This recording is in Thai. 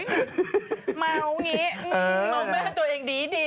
เออหงอกแม่ตัวเองดี